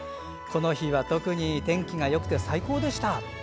この日は特に天気がよくて最高でした。